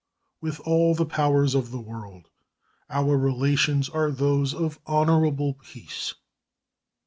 With all the powers of the world our relations are those of honorable peace.